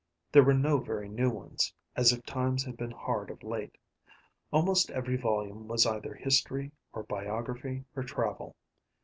There were no very new ones, as if times had been hard of late; almost every volume was either history, or biography, or travel.